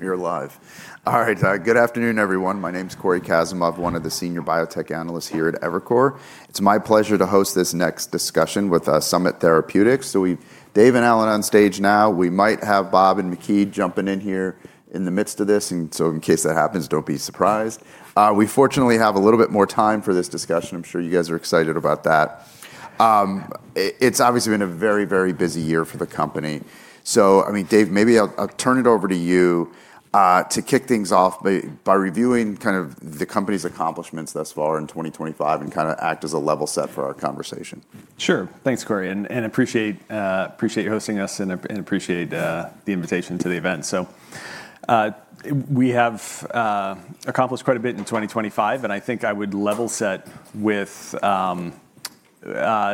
We're live. All right, good afternoon, everyone. My name's Cory Kasimov, one of the senior biotech analysts here at Evercore. It's my pleasure to host this next discussion with Summit Therapeutics. So we've Dave and Allen on stage now. We might have Bob and Makee jumping in here in the midst of this, and so in case that happens, don't be surprised. We fortunately have a little bit more time for this discussion. I'm sure you guys are excited about that. It's obviously been a very, very busy year for the company. So, I mean, Dave, maybe I'll turn it over to you to kick things off by reviewing kind of the company's accomplishments thus far in 2025 and kind of act as a level set for our conversation. Sure. Thanks, Cory. And I appreciate you hosting us and appreciate the invitation to the event. So we have accomplished quite a bit in 2025, and I think I would level set with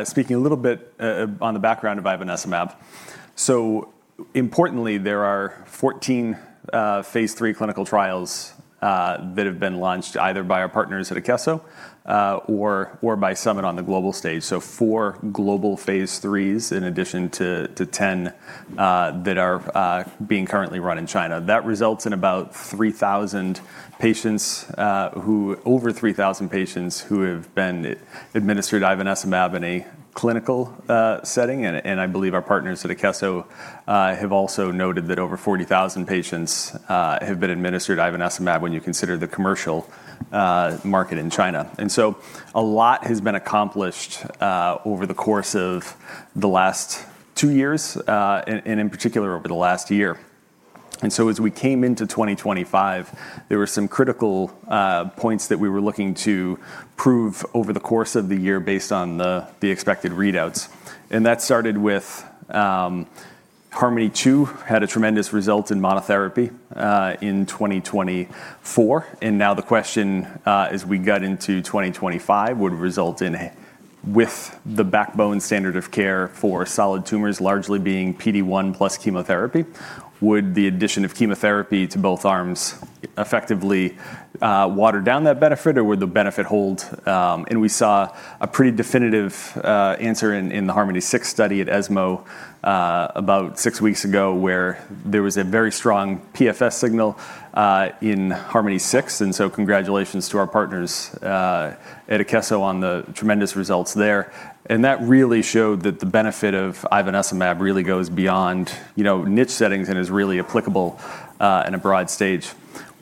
speaking a little bit on the background of Ivanesimab. So importantly, there are 14 phase three clinical trials that have been launched either by our partners at Akeso or by Summit on the global stage. So four global phase 3s in addition to 10 that are being currently run in China. That results in about 3,000 patients, over 3,000 patients who have been administered Ivanesimab in a clinical setting. And I believe our partners at Akeso have also noted that over 40,000 patients have been administered Ivanesimab when you consider the commercial market in China. And so a lot has been accomplished over the course of the last two years, and in particular over the last year. And so as we came into 2025, there were some critical points that we were looking to prove over the course of the year based on the expected readouts. And that started with Harmony 2 had a tremendous result in monotherapy in 2024. And now the question as we get into 2025 would result in, with the backbone standard of care for solid tumors largely being PD-1 plus chemotherapy, would the addition of chemotherapy to both arms effectively water down that benefit, or would the benefit hold? And we saw a pretty definitive answer in the Harmony 6 study at ESMO about six weeks ago where there was a very strong PFS signal in Harmony 6. And so congratulations to our partners at Akeso on the tremendous results there. That really showed that the benefit of ivonescimab really goes beyond niche settings and is really applicable in a broad stage.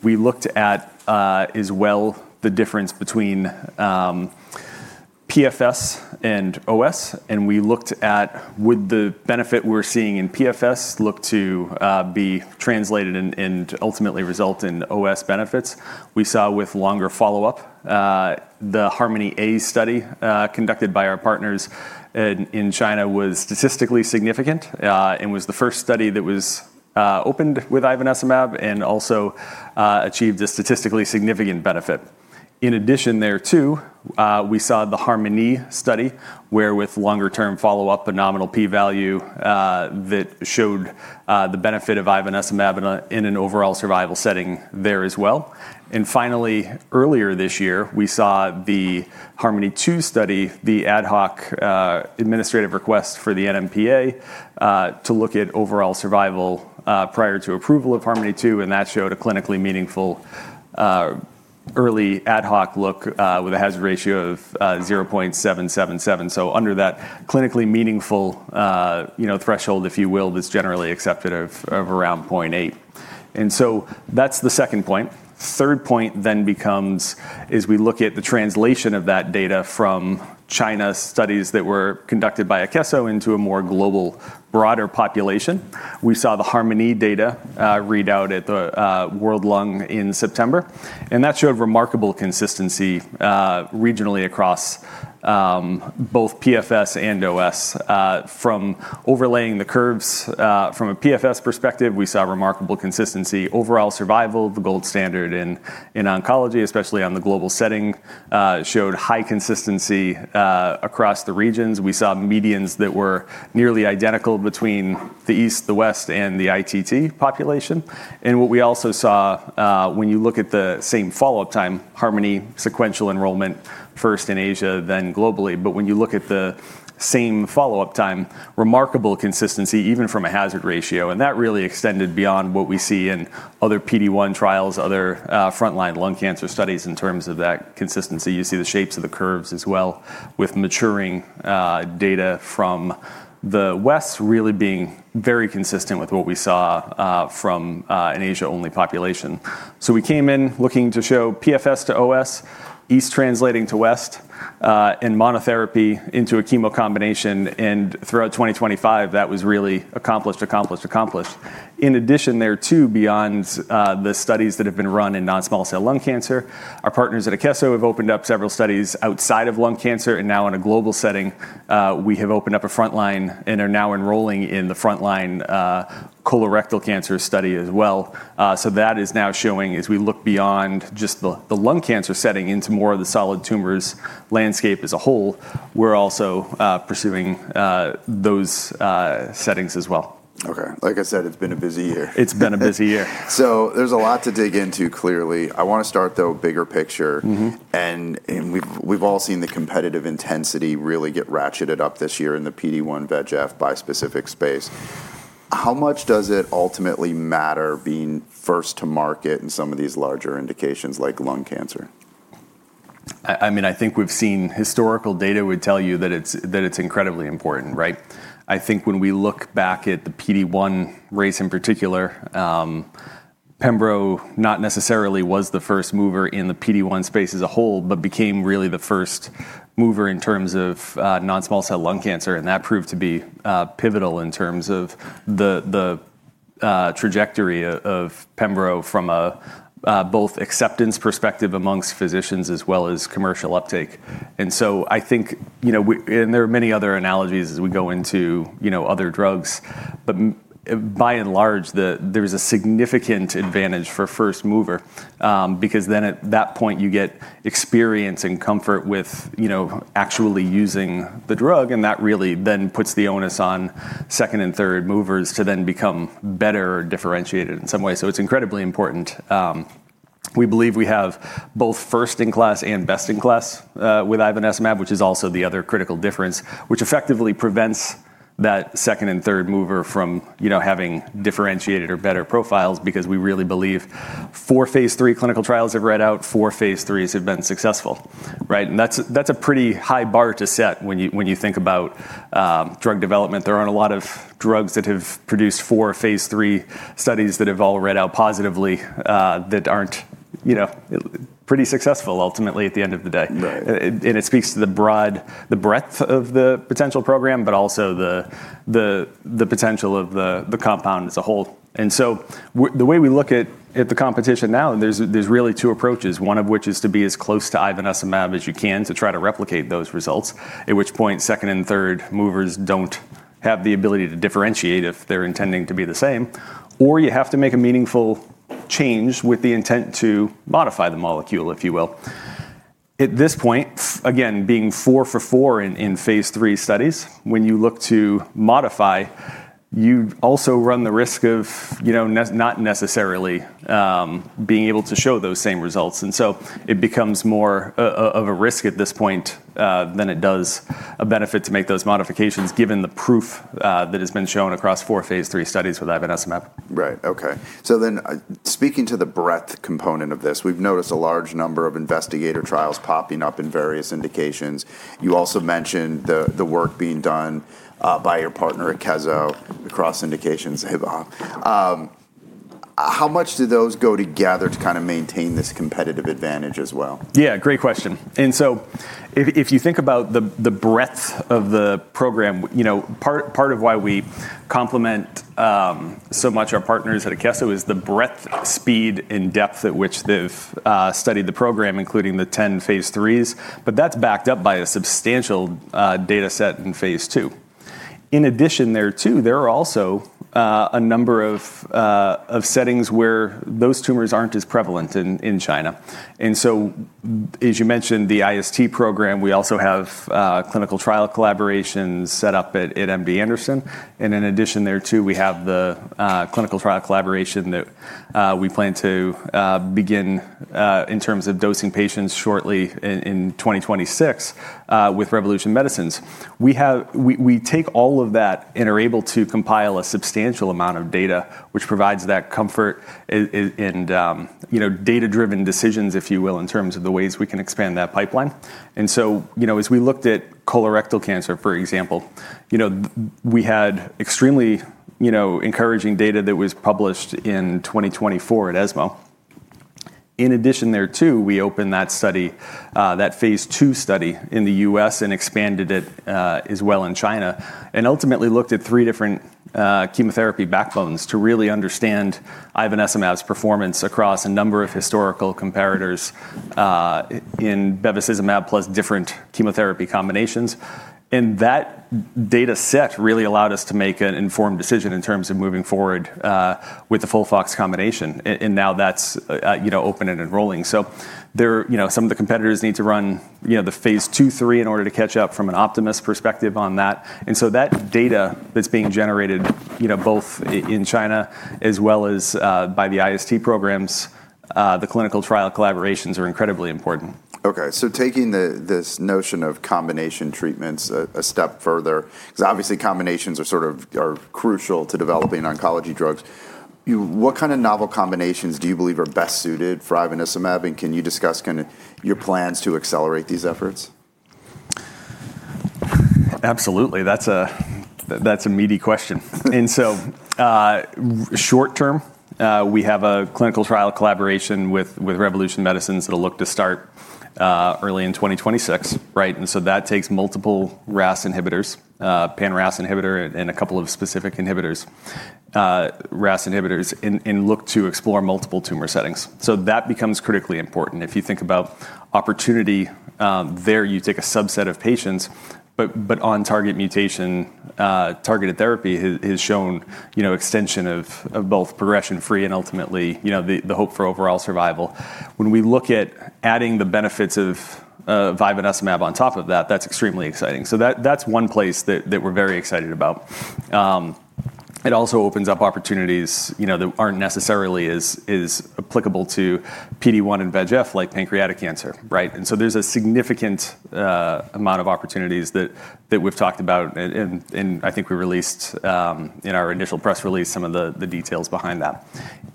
We looked at as well the difference between PFS and OS, and we looked at would the benefit we're seeing in PFS look to be translated and ultimately result in OS benefits. We saw with longer follow-up, the Harmony A study conducted by our partners in China was statistically significant and was the first study that was opened with ivonescimab and also achieved a statistically significant benefit. In addition there too, we saw the Harmony study where with longer-term follow-up, the nominal P value that showed the benefit of ivonescimab in an overall survival setting there as well. Finally, earlier this year, we saw the Harmony 2 study, the ad hoc administrative request for the NMPA to look at overall survival prior to approval of Harmony 2, and that showed a clinically meaningful early ad hoc look with a hazard ratio of 0.777. So under that clinically meaningful threshold, if you will, that's generally accepted of around 0.8. And so that's the second point. Third point then becomes as we look at the translation of that data from China studies that were conducted by Akeso into a more global, broader population. We saw the Harmony data readout at the World Lung in September, and that showed remarkable consistency regionally across both PFS and OS from overlaying the curves. From a PFS perspective, we saw remarkable consistency. Overall survival of the gold standard in oncology, especially on the global setting, showed high consistency across the regions. We saw medians that were nearly identical between the East, the West, and the ITT population, and what we also saw when you look at the same follow-up time, Harmony sequential enrollment first in Asia, then globally, but when you look at the same follow-up time, remarkable consistency even from a hazard ratio, and that really extended beyond what we see in other PD-1 trials, other frontline lung cancer studies in terms of that consistency. You see the shapes of the curves as well with maturing data from the West really being very consistent with what we saw from an Asia-only population, so we came in looking to show PFS to OS, East translating to West, and monotherapy into a chemo combination, and throughout 2025, that was really accomplished, accomplished, accomplished. In addition there too, beyond the studies that have been run in non-small cell lung cancer, our partners at Akeso have opened up several studies outside of lung cancer. And now in a global setting, we have opened up a frontline and are now enrolling in the frontline colorectal cancer study as well. So that is now showing as we look beyond just the lung cancer setting into more of the solid tumors landscape as a whole, we're also pursuing those settings as well. Okay. Like I said, it's been a busy year. It's been a busy year. There's a lot to dig into clearly. I want to start though, bigger picture. We've all seen the competitive intensity really get ratcheted up this year in the PD-1 VEGF bispecific space. How much does it ultimately matter being first to market in some of these larger indications like lung cancer? I mean, I think we've seen historical data would tell you that it's incredibly important, right? I think when we look back at the PD-1 race in particular, Pembro not necessarily was the first mover in the PD-1 space as a whole, but became really the first mover in terms of non-small cell lung cancer. And that proved to be pivotal in terms of the trajectory of Pembro from both acceptance perspective among physicians as well as commercial uptake. And so I think, and there are many other analogies as we go into other drugs, but by and large, there's a significant advantage for first mover because then at that point you get experience and comfort with actually using the drug. And that really then puts the onus on second and third movers to then become better differentiated in some way. So it's incredibly important. We believe we have both first in class and best in class with ivonescimab, which is also the other critical difference, which effectively prevents that second and third mover from having differentiated or better profiles because we really believe four phase 3 clinical trials have read out, four phase 3s have been successful, right? And that's a pretty high bar to set when you think about drug development. There aren't a lot of drugs that have produced four phase 3 studies that have all read out positively that aren't pretty successful ultimately at the end of the day. And it speaks to the breadth of the potential program, but also the potential of the compound as a whole. And so the way we look at the competition now, there's really two approaches, one of which is to be as close to ivonescimab as you can to try to replicate those results, at which point second and third movers don't have the ability to differentiate if they're intending to be the same. Or you have to make a meaningful change with the intent to modify the molecule, if you will. At this point, again, being four for four in phase 3 studies, when you look to modify, you also run the risk of not necessarily being able to show those same results. And so it becomes more of a risk at this point than it does a benefit to make those modifications given the proof that has been shown across four phase 3 studies with ivonescimab. Right. Okay. So then speaking to the breadth component of this, we've noticed a large number of investigator trials popping up in various indications. You also mentioned the work being done by your partner at Akeso across indications. How much do those go together to kind of maintain this competitive advantage as well? Yeah, great question. And so if you think about the breadth of the program, part of why we complement so much our partners at Akeso is the breadth, speed, and depth at which they've studied the program, including the 10 phase 3s. But that's backed up by a substantial data set in phase 2. In addition there too, there are also a number of settings where those tumors aren't as prevalent in China. And so, as you mentioned, the IST program, we also have clinical trial collaborations set up at MD Anderson. And in addition there too, we have the clinical trial collaboration that we plan to begin in terms of dosing patients shortly in 2026 with Revolution Medicines. We take all of that and are able to compile a substantial amount of data, which provides that comfort and data-driven decisions, if you will, in terms of the ways we can expand that pipeline. And so as we looked at colorectal cancer, for example, we had extremely encouraging data that was published in 2024 at ESMO. In addition there too, we opened that study, that phase 2 study in the U.S. and expanded it as well in China, and ultimately looked at three different chemotherapy backbones to really understand ivonescimab's performance across a number of historical comparators in bevacizumab plus different chemotherapy combinations. And that data set really allowed us to make an informed decision in terms of moving forward with the FOLFOX combination. And now that's open and enrolling. So some of the competitors need to run the phase 2, 3 in order to catch up from an optimistic perspective on that. And so that data that's being generated both in China as well as by the IST programs, the clinical trial collaborations are incredibly important. Okay. So taking this notion of combination treatments a step further, because obviously combinations are sort of crucial to developing oncology drugs, what kind of novel combinations do you believe are best suited for ivonescimab? And can you discuss kind of your plans to accelerate these efforts? Absolutely. That's a meaty question. And so short term, we have a clinical trial collaboration with Revolution Medicines that'll look to start early in 2026, right? And so that takes multiple RAS inhibitors, pan-RAS inhibitor and a couple of specific inhibitors, RAS inhibitors, and look to explore multiple tumor settings. So that becomes critically important. If you think about opportunity there, you take a subset of patients, but on target mutation, targeted therapy has shown extension of both progression-free and ultimately the hope for overall survival. When we look at adding the benefits of Ivanesimab on top of that, that's extremely exciting. So that's one place that we're very excited about. It also opens up opportunities that aren't necessarily as applicable to PD-1 and VEGF like pancreatic cancer, right? And so there's a significant amount of opportunities that we've talked about. I think we released in our initial press release some of the details behind that.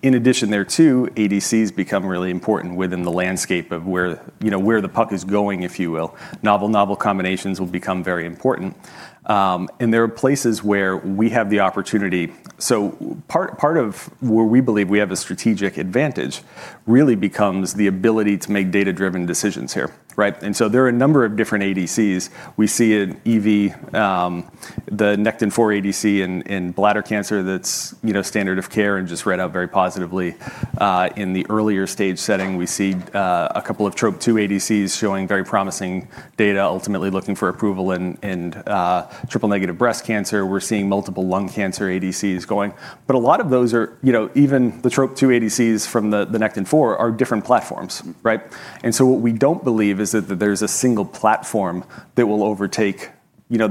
In addition, there too, ADCs become really important within the landscape of where the puck is going, if you will. Novel, novel combinations will become very important. There are places where we have the opportunity. Part of where we believe we have a strategic advantage really becomes the ability to make data-driven decisions here, right? There are a number of different ADCs. We see in EV, the Nectin-4 ADC in bladder cancer that's standard of care and just read out very positively. In the earlier stage setting, we see a couple of TROP2 ADCs showing very promising data, ultimately looking for approval in triple-negative breast cancer. We're seeing multiple lung cancer ADCs going. But a lot of those are even the TROP2 ADCs from the Nectin-4 are different platforms, right? And so what we don't believe is that there's a single platform that will overtake,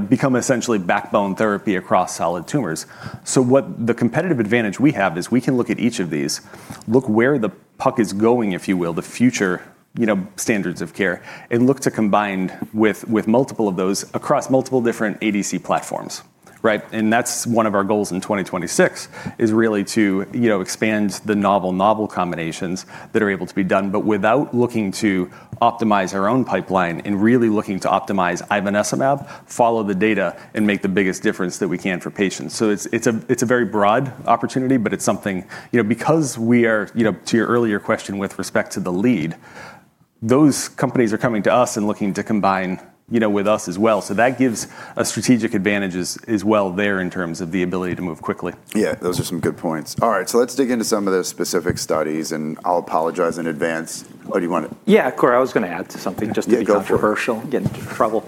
become essentially backbone therapy across solid tumors. So the competitive advantage we have is we can look at each of these, look where the puck is going, if you will, the future standards of care, and look to combine with multiple of those across multiple different ADC platforms, right? And that's one of our goals in 2026 is really to expand the novel, novel combinations that are able to be done, but without looking to optimize our own pipeline and really looking to optimize ivonescimab, follow the data, and make the biggest difference that we can for patients. So it's a very broad opportunity, but it's something because we are, to your earlier question with respect to the lead, those companies are coming to us and looking to combine with us as well. So that gives a strategic advantage as well there in terms of the ability to move quickly. Yeah, those are some good points. All right, so let's dig into some of those specific studies, and I'll apologize in advance. Oh, do you want to? Yeah, of course. I was going to add to something just to be careful. Go for it. Get into trouble.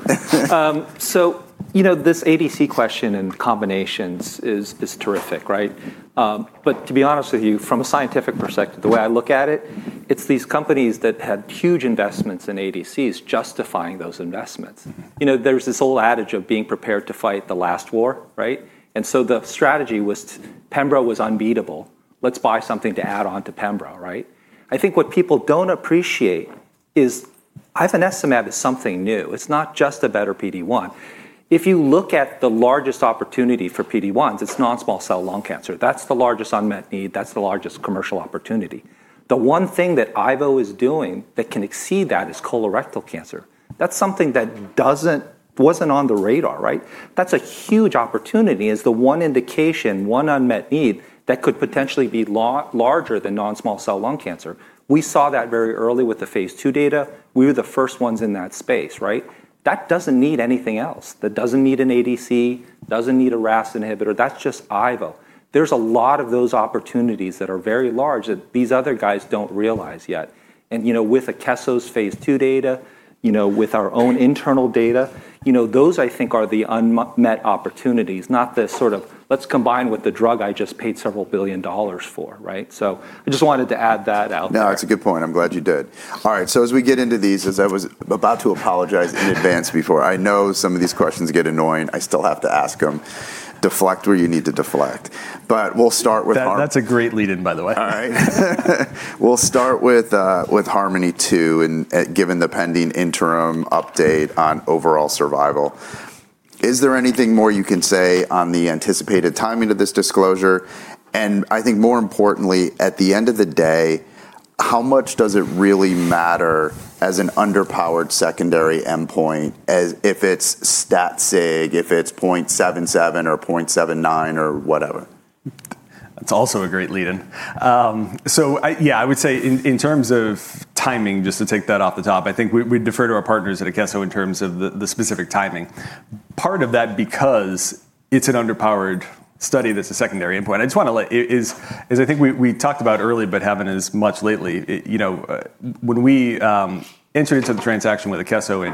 So this ADC question and combinations is terrific, right? But to be honest with you, from a scientific perspective, the way I look at it, it's these companies that had huge investments in ADCs justifying those investments. There's this old adage of being prepared to fight the last war, right? And so the strategy was Pembro was unbeatable. Let's buy something to add on to Pembro, right? I think what people don't appreciate is Ivanesimab is something new. It's not just a better PD-1. If you look at the largest opportunity for PD-1s, it's non-small cell lung cancer. That's the largest unmet need. That's the largest commercial opportunity. The one thing that IVO is doing that can exceed that is colorectal cancer. That's something that wasn't on the radar, right? That's a huge opportunity as the one indication, one unmet need that could potentially be larger than non-small cell lung cancer. We saw that very early with the phase 2 data. We were the first ones in that space, right? That doesn't need anything else. That doesn't need an ADC, doesn't need a RAS inhibitor. That's just IVO. There's a lot of those opportunities that are very large that these other guys don't realize yet. And with Akeso's phase 2 data, with our own internal data, those I think are the unmet opportunities, not the sort of, let's combine with the drug I just paid several billion dollars for, right? So I just wanted to add that out. No, it's a good point. I'm glad you did. All right. So as we get into these, as I was about to apologize in advance before, I know some of these questions get annoying. I still have to ask them. Deflect where you need to deflect. But we'll start with. That's a great lead-in, by the way. All right. We'll start with Harmony 2, given the pending interim update on overall survival. Is there anything more you can say on the anticipated timing of this disclosure? And I think more importantly, at the end of the day, how much does it really matter as an underpowered secondary endpoint if it's stat sig, if it's 0.77 or 0.79 or whatever? That's also a great lead-in. So yeah, I would say in terms of timing, just to take that off the top, I think we'd defer to our partners at Akeso in terms of the specific timing. Part of that because it's an underpowered study that's a secondary endpoint. I just want to, as I think we talked about early, but haven't as much lately, when we entered into the transaction with Akeso,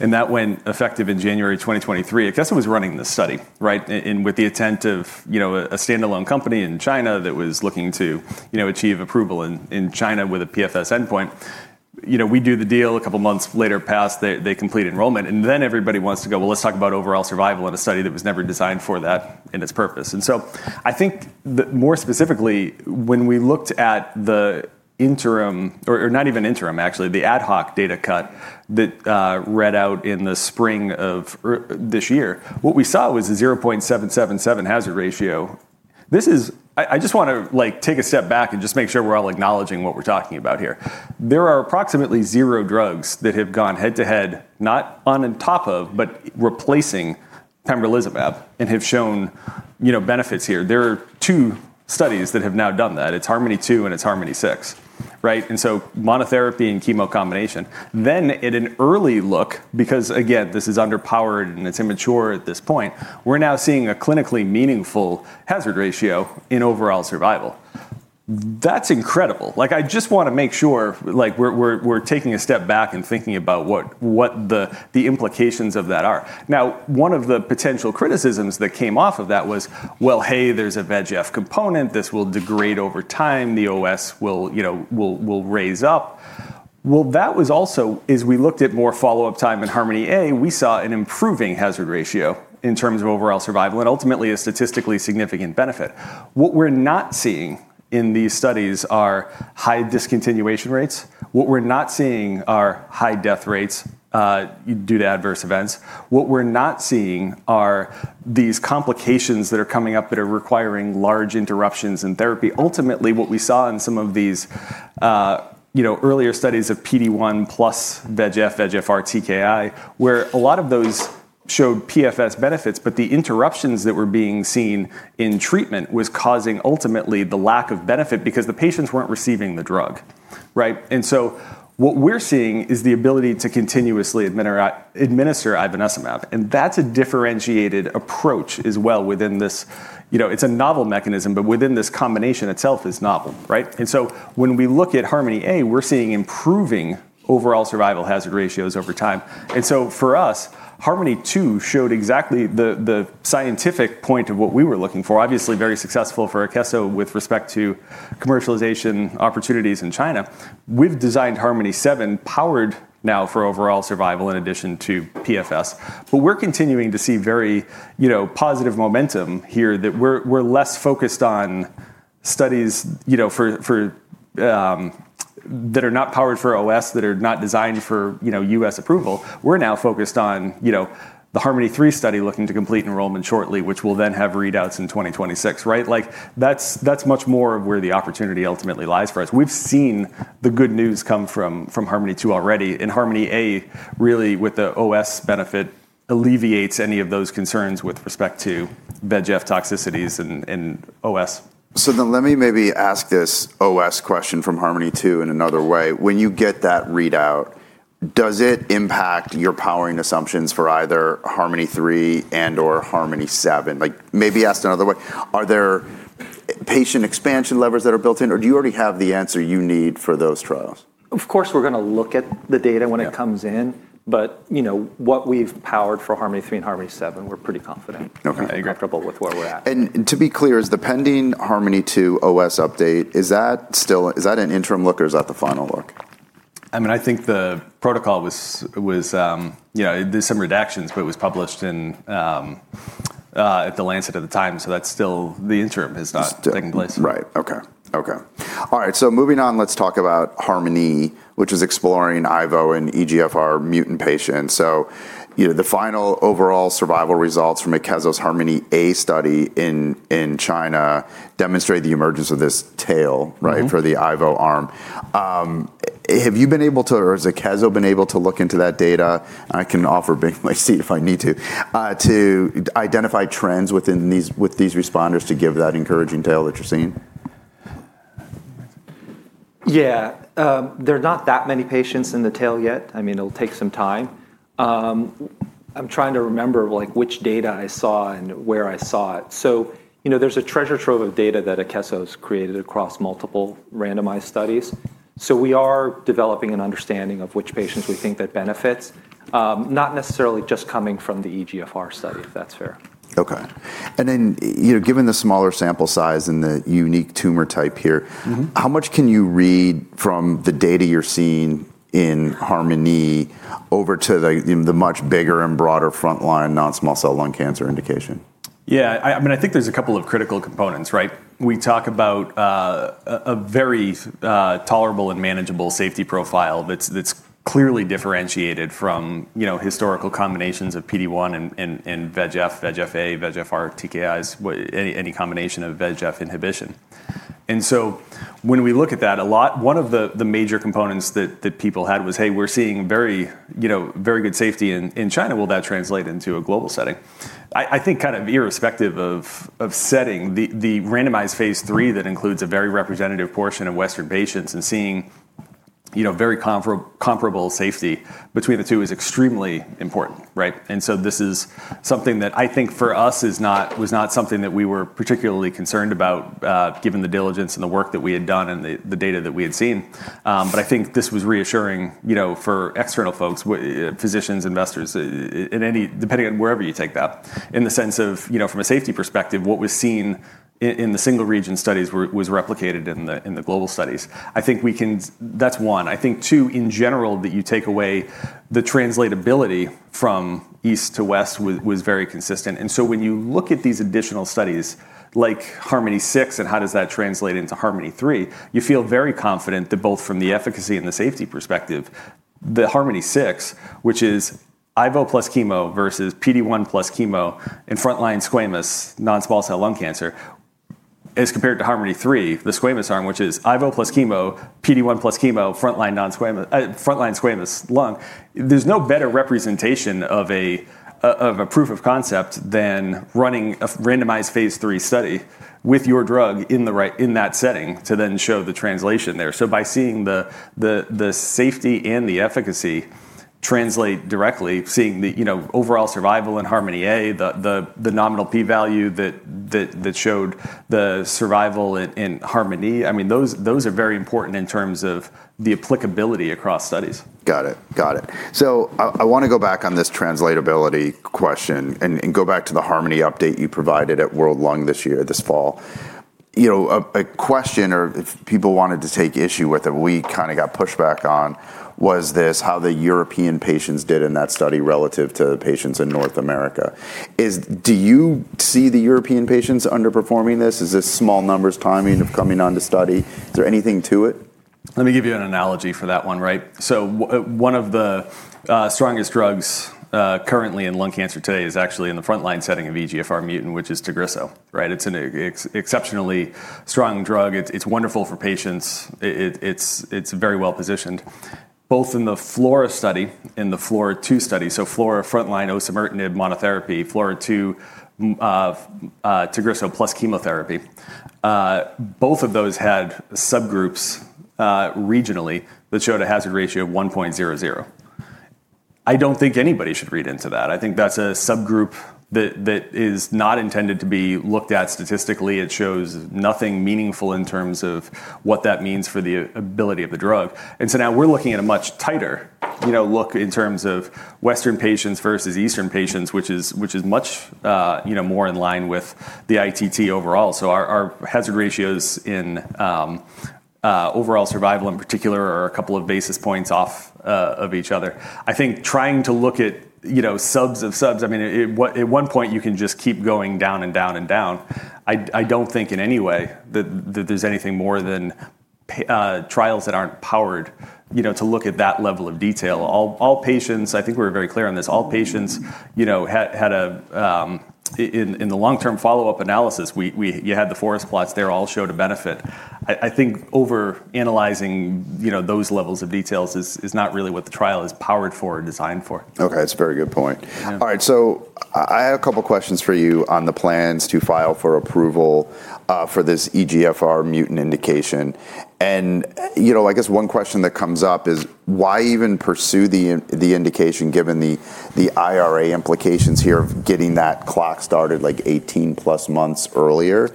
and that went effective in January 2023, Akeso was running the study, right? And with the intent of a standalone company in China that was looking to achieve approval in China with a PFS endpoint, we do the deal. A couple of months later passed, they complete enrollment. And then everybody wants to go, well, let's talk about overall survival in a study that was never designed for that and its purpose. And so I think more specifically, when we looked at the interim, or not even interim actually, the ad hoc data cut that read out in the spring of this year, what we saw was a 0.777 hazard ratio. I just want to take a step back and just make sure we're all acknowledging what we're talking about here. There are approximately zero drugs that have gone head to head, not on top of, but replacing pembrolizumab and have shown benefits here. There are two studies that have now done that. It's Harmony 2 and it's Harmony 6, right? And so monotherapy and chemo combination. Then at an early look, because again, this is underpowered and it's immature at this point, we're now seeing a clinically meaningful hazard ratio in overall survival. That's incredible. I just want to make sure we're taking a step back and thinking about what the implications of that are. Now, one of the potential criticisms that came off of that was, well, hey, there's a VEGF component. This will degrade over time. The OS will raise up. Well, that was also as we looked at more follow-up time in Harmony A, we saw an improving hazard ratio in terms of overall survival and ultimately a statistically significant benefit. What we're not seeing in these studies are high discontinuation rates. What we're not seeing are high death rates due to adverse events. What we're not seeing are these complications that are coming up that are requiring large interruptions in therapy. Ultimately, what we saw in some of these earlier studies of PD-1 plus VEGF, VEGF-RTKI, where a lot of those showed PFS benefits, but the interruptions that were being seen in treatment was causing ultimately the lack of benefit because the patients weren't receiving the drug, right? And so what we're seeing is the ability to continuously administer ivonescimab. And that's a differentiated approach as well within this. It's a novel mechanism, but within this combination itself is novel, right? And so when we look at Harmony A, we're seeing improving overall survival hazard ratios over time. And so for us, Harmony 2 showed exactly the scientific point of what we were looking for, obviously very successful for Akeso with respect to commercialization opportunities in China. We've designed Harmony 7 powered now for overall survival in addition to PFS. But we're continuing to see very positive momentum here that we're less focused on studies that are not powered for OS, that are not designed for US approval. We're now focused on the Harmony 3 study looking to complete enrollment shortly, which will then have readouts in 2026, right? That's much more of where the opportunity ultimately lies for us. We've seen the good news come from Harmony 2 already. And Harmony A really with the OS benefit alleviates any of those concerns with respect to VEGF toxicities and OS. So then let me maybe ask this OS question from Harmony 2 in another way. When you get that readout, does it impact your powering assumptions for either Harmony 3 and/or Harmony 7? Maybe asked another way. Are there patient expansion levers that are built in, or do you already have the answer you need for those trials? Of course, we're going to look at the data when it comes in. But what we've powered for Harmony 3 and Harmony 7, we're pretty confident. Okay. I agree. Comfortable with where we're at. To be clear, is the pending Harmony 2 OS update, is that an interim look or is that the final look? I mean, I think the protocol was. There's some redactions, but it was published at The Lancet at the time. So that's still the interim has not taken place. Right. Okay. All right. So moving on, let's talk about Harmony, which is exploring IVO and EGFR mutant patients. So the final overall survival results from Akeso's Harmony A study in China demonstrate the emergence of this tail, right, for the IVO arm. Have you been able to, or has Akeso been able to look into that data? I can offer some insight if I need to, to identify trends within these responders to give that encouraging tail that you're seeing? Yeah. There are not that many patients in the tail yet. I mean, it'll take some time. I'm trying to remember which data I saw and where I saw it. So there's a treasure trove of data that Akeso has created across multiple randomized studies. So we are developing an understanding of which patients we think that benefits, not necessarily just coming from the EGFR study, if that's fair. Okay. And then given the smaller sample size and the unique tumor type here, how much can you read from the data you're seeing in Harmony over to the much bigger and broader frontline non-small cell lung cancer indication? Yeah. I mean, I think there's a couple of critical components, right? We talk about a very tolerable and manageable safety profile that's clearly differentiated from historical combinations of PD-1 and VEGF, VEGF-A, VEGF-RTKIs, any combination of VEGF inhibition. And so when we look at that, one of the major components that people had was, hey, we're seeing very good safety in China. Will that translate into a global setting? I think kind of irrespective of setting, the randomized phase three that includes a very representative portion of Western patients and seeing very comparable safety between the two is extremely important, right? And so this is something that I think for us was not something that we were particularly concerned about given the diligence and the work that we had done and the data that we had seen. But I think this was reassuring for external folks, physicians, investors, depending on wherever you take that, in the sense of from a safety perspective, what was seen in the single region studies was replicated in the global studies. I think that's one. I think two, in general, that you take away the translatability from east to west was very consistent. And so, when you look at these additional studies like Harmony 6 and how does that translate into Harmony 3, you feel very confident that both from the efficacy and the safety perspective, the Harmony 6, which is IVO plus chemo versus PD-1 plus chemo and frontline squamous non-small cell lung cancer, as compared to Harmony 3, the squamous arm, which is IVO plus chemo, PD-1 plus chemo, frontline squamous lung, there's no better representation of a proof of concept than running a randomized phase three study with your drug in that setting to then show the translation there. So by seeing the safety and the efficacy translate directly, seeing the overall survival in Harmony A, the nominal p-value that showed the survival in Harmony, I mean, those are very important in terms of the applicability across studies. Got it. Got it. So I want to go back on this translatability question and go back to the Harmony update you provided at World Lung this year, this fall. A question, or if people wanted to take issue with it, we kind of got pushback on, was this: how the European patients did in that study relative to patients in North America. Do you see the European patients underperforming this? Is this small numbers timing of coming on to study? Is there anything to it? Let me give you an analogy for that one, right? One of the strongest drugs currently in lung cancer today is actually in the frontline setting of EGFR mutant, which is Tagrisso, right? It's an exceptionally strong drug. It's wonderful for patients. It's very well positioned, both in the Flora study and the Flora 2 study. Flora, frontline, osimertinib monotherapy, Flora 2, Tagrisso plus chemotherapy. Both of those had subgroups regionally that showed a hazard ratio of 1.00. I don't think anybody should read into that. I think that's a subgroup that is not intended to be looked at statistically. It shows nothing meaningful in terms of what that means for the ability of the drug. Now we're looking at a much tighter look in terms of Western patients versus Eastern patients, which is much more in line with the ITT overall. Our hazard ratios in overall survival in particular are a couple of basis points off of each other. I think trying to look at subs of subs, I mean, at one point you can just keep going down and down and down. I don't think in any way that there's anything more than trials that aren't powered to look at that level of detail. All patients, I think we were very clear on this. All patients had a, in the long-term follow-up analysis, you had the forest plots there, all showed a benefit. I think overanalyzing those levels of details is not really what the trial is powered for or designed for. Okay. That's a very good point. All right. So I have a couple of questions for you on the plans to file for approval for this EGFR mutant indication. And I guess one question that comes up is, why even pursue the indication given the IRA implications here of getting that clock started like 18 plus months earlier?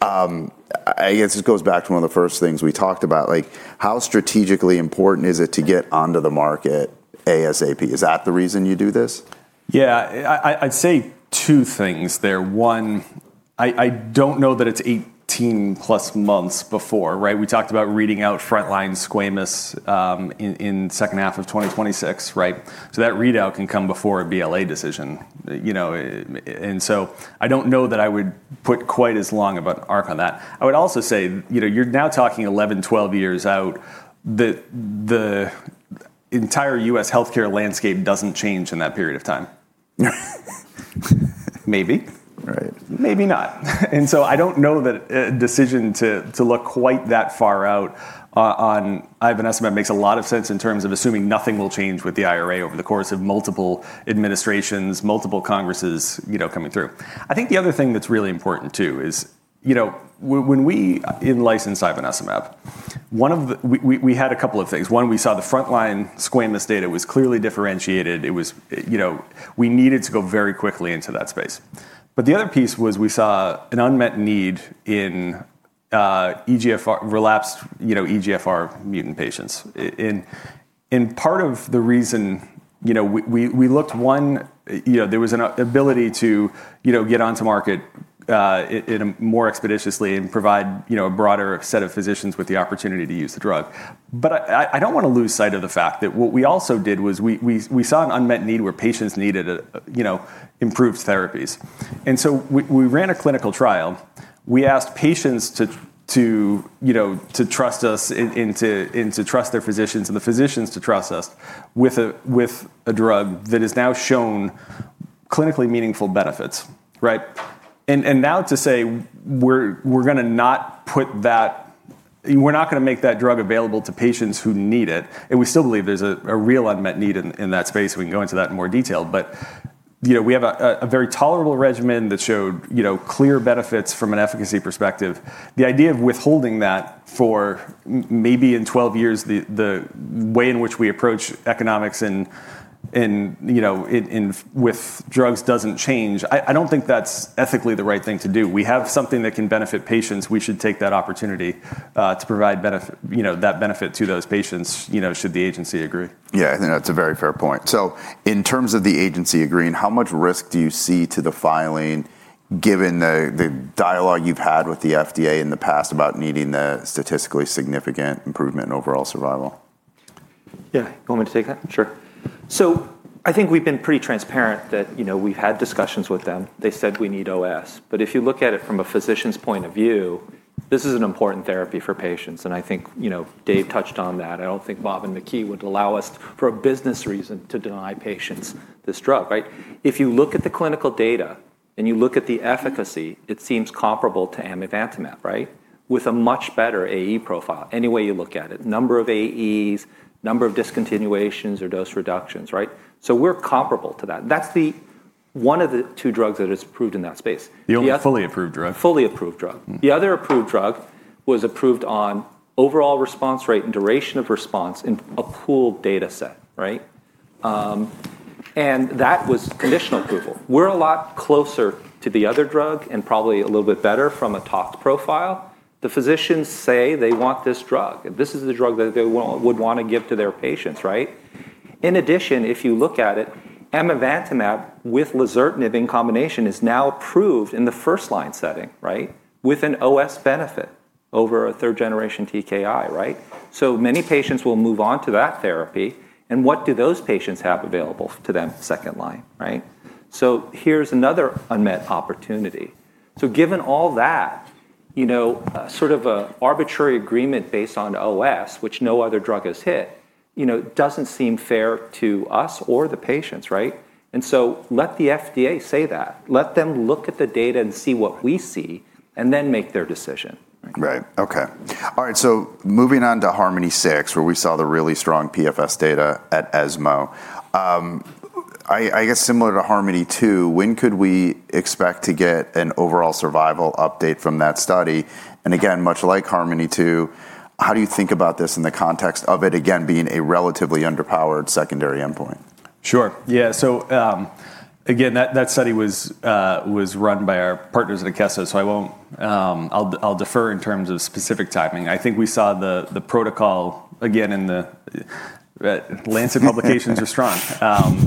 I guess this goes back to one of the first things we talked about, like how strategically important is it to get onto the market ASAP? Is that the reason you do this? Yeah. I'd say two things there. One, I don't know that it's 18 plus months before, right? We talked about reading out frontline squamous in the second half of 2026, right? So that readout can come before a BLA decision. And so I don't know that I would put quite as long of an arc on that. I would also say you're now talking 11, 12 years out that the entire U.S. healthcare landscape doesn't change in that period of time. Maybe. Right. Maybe not. And so I don't know that a decision to look quite that far out on Ivanesimab makes a lot of sense in terms of assuming nothing will change with the IRA over the course of multiple administrations, multiple congresses coming through. I think the other thing that's really important too is when we licensed Ivanesimab, we had a couple of things. One, we saw the frontline squamous data was clearly differentiated. We needed to go very quickly into that space. But the other piece was we saw an unmet need in relapsed EGFR mutant patients. And part of the reason we looked, one, there was an ability to get onto market more expeditiously and provide a broader set of physicians with the opportunity to use the drug. I don't want to lose sight of the fact that what we also did was we saw an unmet need where patients needed improved therapies. And so we ran a clinical trial. We asked patients to trust us and to trust their physicians and the physicians to trust us with a drug that has now shown clinically meaningful benefits, right? And now to say we're going to not put that, we're not going to make that drug available to patients who need it. And we still believe there's a real unmet need in that space. We can go into that in more detail. But we have a very tolerable regimen that showed clear benefits from an efficacy perspective. The idea of withholding that for maybe in 12 years, the way in which we approach economics and with drugs doesn't change. I don't think that's ethically the right thing to do. We have something that can benefit patients. We should take that opportunity to provide that benefit to those patients should the agency agree. Yeah. I think that's a very fair point. So in terms of the agency agreeing, how much risk do you see to the filing given the dialogue you've had with the FDA in the past about needing the statistically significant improvement in overall survival? Yeah. You want me to take that? Sure. So I think we've been pretty transparent that we've had discussions with them. They said we need OS. But if you look at it from a physician's point of view, this is an important therapy for patients. And I think Dave touched on that. I don't think Bob and Makee would allow us for a business reason to deny patients this drug, right? If you look at the clinical data and you look at the efficacy, it seems comparable to Amivantamab, right, with a much better AE profile any way you look at it, number of AEs, number of discontinuations or dose reductions, right? So we're comparable to that. That's one of the two drugs that is approved in that space. The only fully approved drug. Fully approved drug. The other approved drug was approved on overall response rate and duration of response in a pooled data set, right? And that was conditional approval. We're a lot closer to the other drug and probably a little bit better from a tox profile. The physicians say they want this drug. This is the drug that they would want to give to their patients, right? In addition, if you look at it, Amivantamab with Lazertinib in combination is now approved in the first line setting, right, with an OS benefit over a third-generation TKI, right? So many patients will move on to that therapy. And what do those patients have available to them second line, right? So here's another unmet opportunity. So given all that, sort of an arbitrary agreement based on OS, which no other drug has hit, doesn't seem fair to us or the patients, right? Let the FDA say that. Let them look at the data and see what we see and then make their decision. Moving on to Harmony 6, where we saw the really strong PFS data at ESMO. I guess similar to Harmony 2, when could we expect to get an overall survival update from that study, and again, much like Harmony 2, how do you think about this in the context of it again being a relatively underpowered secondary endpoint? Sure. Yeah. So again, that study was run by our partners at Akeso, so I'll defer in terms of specific timing. I think we saw the protocol again in The Lancet publications are strong.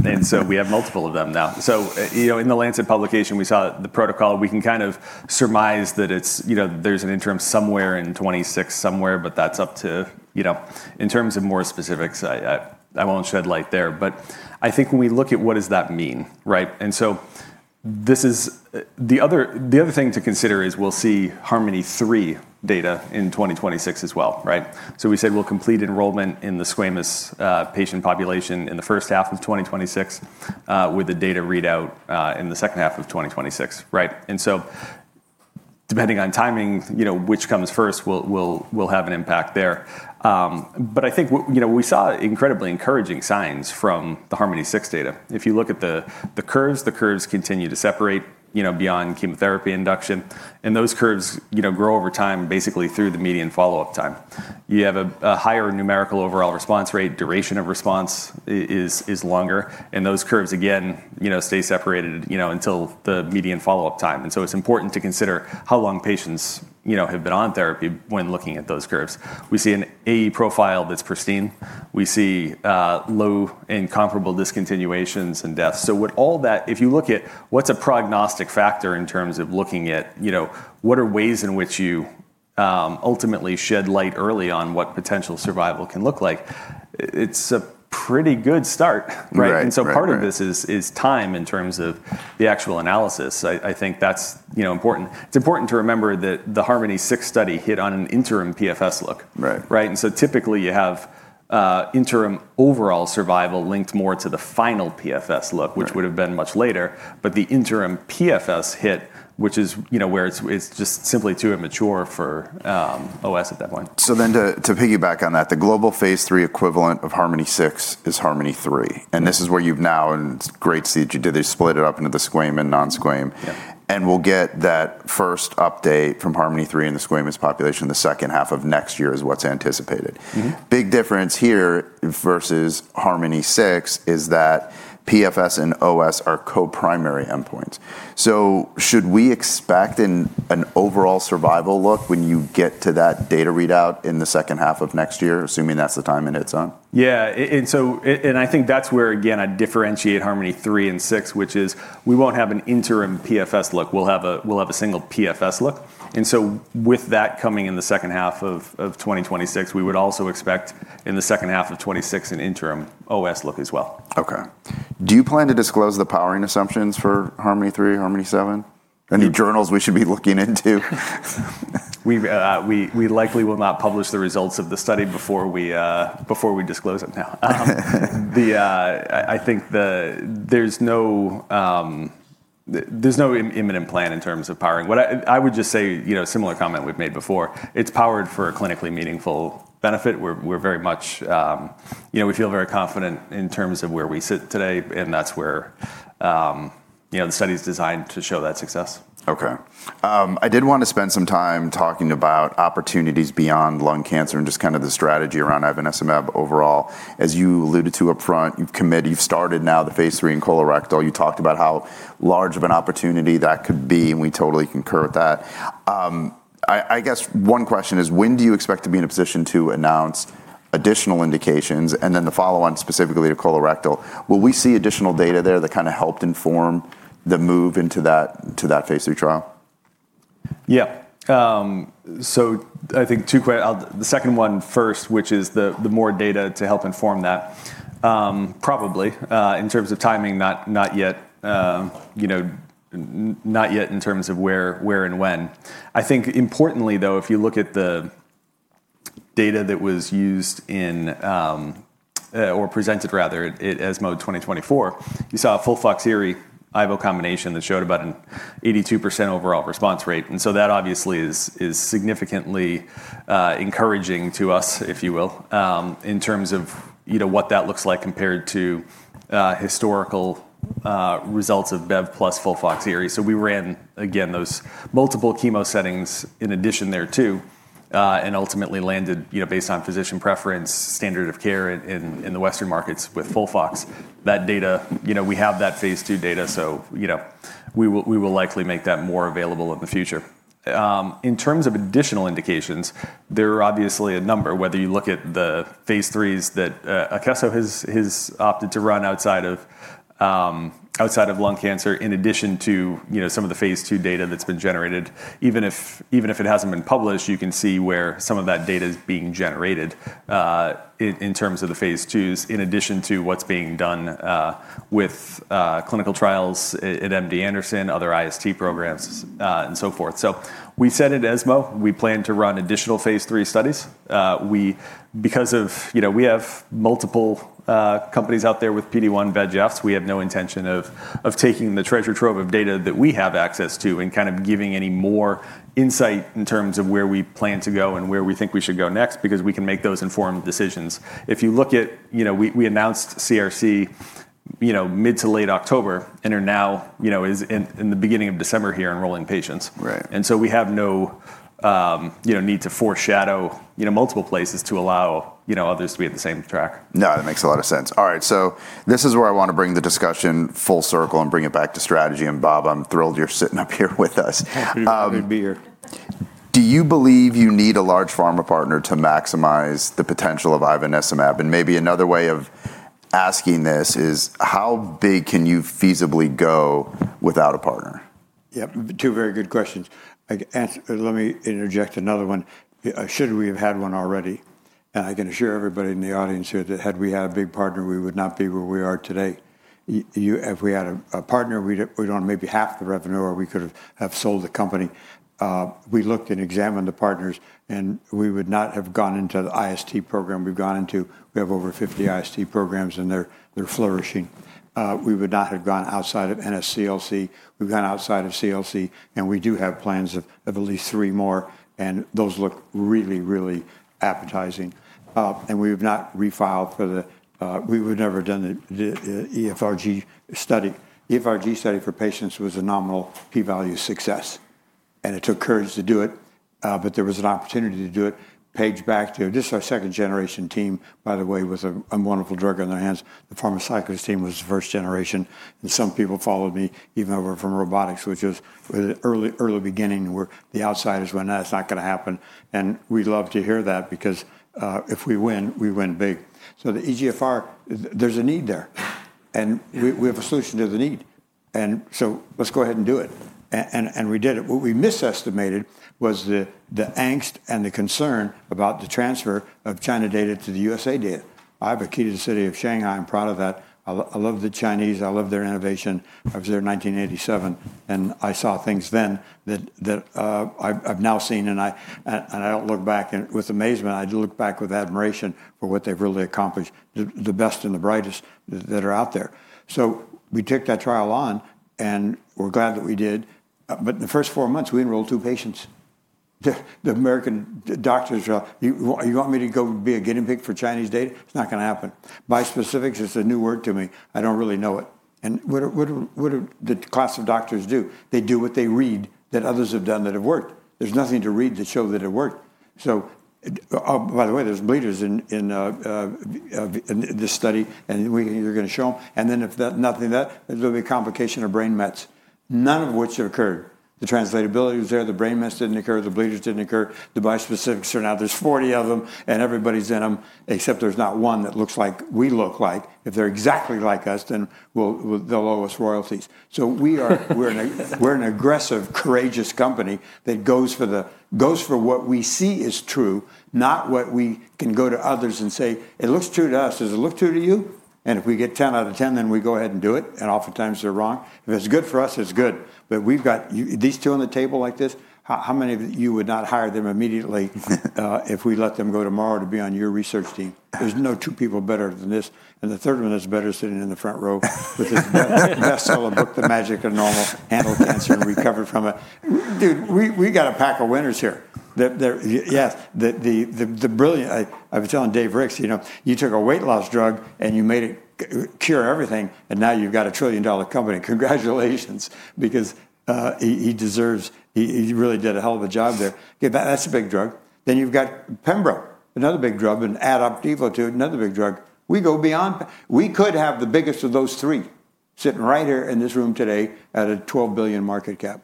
And so we have multiple of them now. So in The Lancet publication, we saw the protocol. We can kind of surmise that there's an interim somewhere in 26 somewhere, but that's up to in terms of more specifics, I won't shed light there. But I think when we look at what does that mean, right? And so the other thing to consider is we'll see Harmony 3 data in 2026 as well, right? So we said we'll complete enrollment in the squamous patient population in the first half of 2026 with the data readout in the second half of 2026, right? And so depending on timing, which comes first will have an impact there. But I think we saw incredibly encouraging signs from the Harmony 6 data. If you look at the curves, the curves continue to separate beyond chemotherapy induction. And those curves grow over time basically through the median follow-up time. You have a higher numerical overall response rate. Duration of response is longer. And those curves again stay separated until the median follow-up time. And so it's important to consider how long patients have been on therapy when looking at those curves. We see an AE profile that's pristine. We see low and comparable discontinuations and deaths. So with all that, if you look at what's a prognostic factor in terms of looking at what are ways in which you ultimately shed light early on what potential survival can look like, it's a pretty good start, right? And so part of this is time in terms of the actual analysis. I think that's important. It's important to remember that the Harmony 6 study hit on an interim PFS look, right, and so typically you have interim overall survival linked more to the final PFS look, which would have been much later, but the interim PFS hit, which is where it's just simply too immature for OS at that point. To piggyback on that, the global phase 3 equivalent of Harmony 6 is Harmony 3. This is where you've now, in great stride, you did split it up into the squamous and non-squamous. We'll get that first update from Harmony 3 in the squamous population. The second half of next year is what's anticipated. A big difference here versus Harmony 6 is that PFS and OS are co-primary endpoints. Should we expect an overall survival look when you get to that data readout in the second half of next year, assuming that's on time? Yeah, and I think that's where again I differentiate Harmony 3 and 6, which is we won't have an interim PFS look. We'll have a single PFS look. And so with that coming in the second half of 2026, we would also expect in the second half of 2026 an interim OS look as well. Okay. Do you plan to disclose the powering assumptions for Harmony 3, Harmony 7? Any journals we should be looking into? We likely will not publish the results of the study before we disclose it now. I think there's no imminent plan in terms of powering. I would just say similar comment we've made before. It's powered for a clinically meaningful benefit. We feel very confident in terms of where we sit today, and that's where the study is designed to show that success. Okay. I did want to spend some time talking about opportunities beyond lung cancer and just kind of the strategy around ivonescimab overall. As you alluded to upfront, you've committed, you've started now the phase three in colorectal. You talked about how large of an opportunity that could be. And we totally concur with that. I guess one question is, when do you expect to be in a position to announce additional indications? And then the follow-on specifically to colorectal, will we see additional data there that kind of helped inform the move into that phase three trial? Yeah. So I think two questions. The second one first, which is the more data to help inform that, probably in terms of timing, not yet in terms of where and when. I think importantly though, if you look at the data that was used or presented rather at ESMO 2024, you saw a full FOXIRI-IVO combination that showed about an 82% overall response rate. And so that obviously is significantly encouraging to us, if you will, in terms of what that looks like compared to historical results of BEV plus full FOXIRI. So we ran again those multiple chemo settings in addition there too and ultimately landed based on physician preference, standard of care in the Western markets with full FOX. That data, we have that phase 2 data. So we will likely make that more available in the future. In terms of additional indications, there are obviously a number, whether you look at the phase threes that Akeso has opted to run outside of lung cancer in addition to some of the phase two data that's been generated. Even if it hasn't been published, you can see where some of that data is being generated in terms of the phase twos in addition to what's being done with clinical trials at MD Anderson, other IST programs, and so forth. So we said at ESMO, we plan to run additional phase three studies. Because we have multiple companies out there with PD1 VEGFs, we have no intention of taking the treasure trove of data that we have access to and kind of giving any more insight in terms of where we plan to go and where we think we should go next because we can make those informed decisions. If you look at, we announced CRC mid to late October and are now in the beginning of December here enrolling patients, and so we have no need to foreshadow multiple places to allow others to be at the same track. No, that makes a lot of sense. All right. So this is where I want to bring the discussion full circle and bring it back to strategy. And Bob, I'm thrilled you're sitting up here with us. Happy to be here. Do you believe you need a large pharma partner to maximize the potential of ivonescimab? and maybe another way of asking this is, how big can you feasibly go without a partner? Yeah. Two very good questions. Let me interject another one. Should we have had one already? And I can assure everybody in the audience here that had we had a big partner, we would not be where we are today. If we had a partner, we'd own maybe half the revenue or we could have sold the company. We looked and examined the partners and we would not have gone into the IST program we've gone into. We have over 50 IST programs and they're flourishing. We would not have gone outside of NSCLC. We've gone outside of CRC and we do have plans of at least three more. And those look really, really appetizing. And we have not refiled for the, we would never have done the EGFR study. EGFR study for patients was a nominal P-value success. It took courage to do it, but there was an opportunity to do it. Page back to this. This is our second-generation team, by the way, with a wonderful drug on their hands. The pharmaceuticals team was first generation. Some people followed me even over from robotics, which was early beginning where the outsiders went, "No, it's not going to happen." We love to hear that because if we win, we win big. The EGFR, there's a need there. We have a solution to the need. Let's go ahead and do it. We did it. What we misestimated was the angst and the concern about the transfer of China data to the USA data. I have a key to the city of Shanghai. I'm proud of that. I love the Chinese. I love their innovation. I was there in 1987. And I saw things then that I've now seen. I don't look back with amazement. I look back with admiration for what they've really accomplished, the best and the brightest that are out there. So we took that trial on and we're glad that we did. But in the first four months, we enrolled two patients. The American doctors, you want me to go be a guinea pig for Chinese data? It's not going to happen. Bispecifics, it's a new word to me. I don't really know it. And what do the class of doctors do? They do what they read that others have done that have worked. There's nothing to read that showed that it worked. So by the way, there's bleeders in this study and we're going to show them. And then if nothing of that, there'll be complication of brain mets. None of which occurred. The translatability was there. The brain mets didn't occur. The bleeders didn't occur. The bispecifics are now, there's 40 of them and everybody's in them, except there's not one that looks like we look like. If they're exactly like us, then they'll owe us royalties. So we're an aggressive, courageous company that goes for what we see is true, not what we can go to others and say, "It looks true to us. Does it look true to you?" And if we get 10 out of 10, then we go ahead and do it. And oftentimes they're wrong. If it's good for us, it's good. But we've got these two on the table like this, how many of you would not hire them immediately if we let them go tomorrow to be on your research team? There's no two people better than this. The third one that's better is sitting in the front row with his bestseller book, The Myth of Normal, Handle Cancer and Recover from It. Dude, we got a pack of winners here. Yes. I was telling Dave Ricks, you took a weight loss drug and you made it cure everything. And now you've got a $1 trillion company. Congratulations because he deserves, he really did a hell of a job there. That's a big drug. Then you've got Pembro, another big drug, and Opdivo too, another big drug. We go beyond. We could have the biggest of those three sitting right here in this room today at a $12 billion market cap.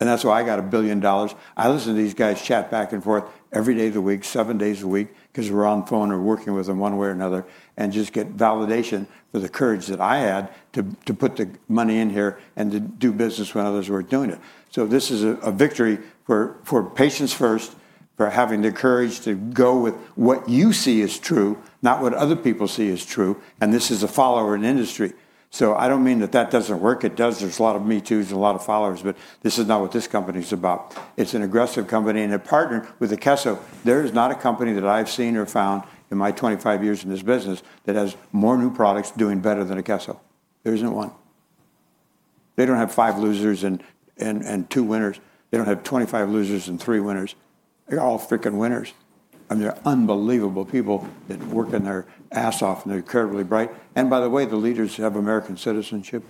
And that's why I got $1 billion. I listen to these guys chat back and forth every day of the week, seven days a week because we're on the phone or working with them one way or another and just get validation for the courage that I had to put the money in here and to do business when others weren't doing it, so this is a victory for patients first, for having the courage to go with what you see is true, not what other people see as true, and this is a follower in industry, so I don't mean that that doesn't work. It does. There's a lot of me too and a lot of followers, but this is not what this company's about. It's an aggressive company. In partnering with Akeso, there is not a company that I've seen or found in my 25 years in this business that has more new products doing better than Akeso. There isn't one. They don't have five losers and two winners. They don't have 25 losers and three winners. They're all freaking winners. And they're unbelievable people that work their asses off and they're incredibly bright. And by the way, the leaders have American citizenship.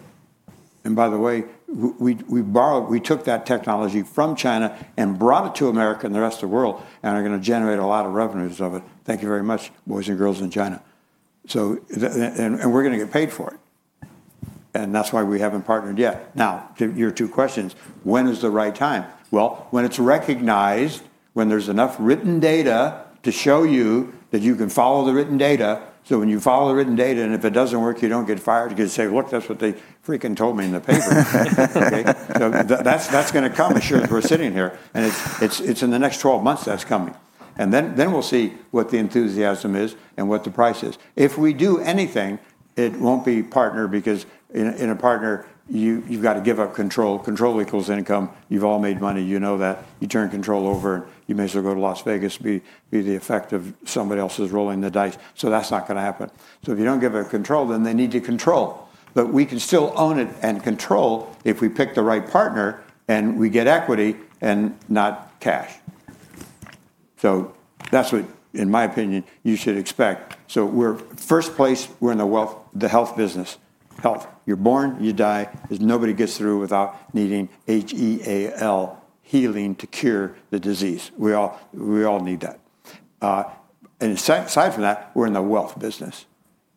And by the way, we took that technology from China and brought it to America and the rest of the world and are going to generate a lot of revenues of it. Thank you very much, boys and girls in China. And we're going to get paid for it. And that's why we haven't partnered yet. Now, your two questions, when is the right time? When it's recognized, when there's enough written data to show you that you can follow the written data, so when you follow the written data and if it doesn't work, you don't get fired because you say, "Look, that's what they freaking told me in the paper," so that's going to come, assured as we're sitting here, and it's in the next 12 months that's coming, and then we'll see what the enthusiasm is and what the price is. If we do anything, it won't be partner because in a partner, you've got to give up control. Control equals income. You've all made money. You know that. You turn control over. You may as well go to Las Vegas and be the effect of somebody else's rolling the dice, so that's not going to happen, so if you don't give up control, then they need to control. But we can still own it and control if we pick the right partner and we get equity and not cash. So that's what, in my opinion, you should expect. So first place, we're in the health business. Health. You're born, you die. Nobody gets through without needing H-E-A-L, healing to cure the disease. We all need that. And aside from that, we're in the wealth business.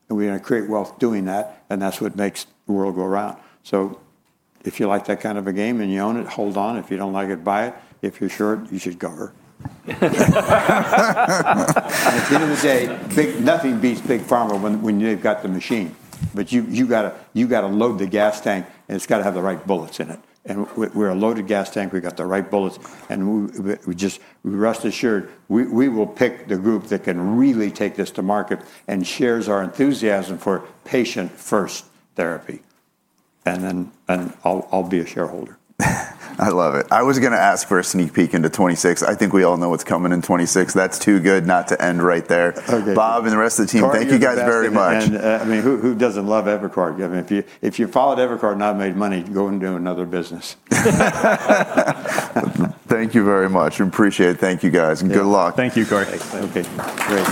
And we're going to create wealth doing that. And that's what makes the world go around. So if you like that kind of a game and you own it, hold on. If you don't like it, short it. If you're sure, you should go short. At the end of the day, nothing beats big pharma when they've got the machine. But you got to load the gas tank and it's got to have the right bullets in it. And we're a loaded gas tank. We got the right bullets. And we're rest assured, we will pick the group that can really take this to market and shares our enthusiasm for patient-first therapy. And then I'll be a shareholder. I love it. I was going to ask for a sneak peek into 2026. I think we all know what's coming in 2026. That's too good not to end right there. Bob and the rest of the team, thank you guys very much. Thank you. And I mean, who doesn't love Evercore? I mean, if you followed Evercore and not made money, go and do another business. Thank you very much. We appreciate it. Thank you guys. Good luck. Thank you, Cory. Okay. Great.